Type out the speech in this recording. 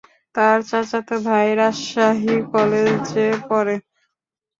তার চাচাতো ভাই রাজশাহী কলেজে পড়ে।